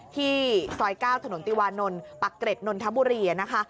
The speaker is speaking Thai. ที่ซอย๙ถนนติวานนท์ปักเกร็ดนนทบุรีนะคะ